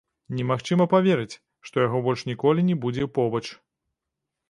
Немагчыма паверыць, што яго больш ніколі не будзе побач.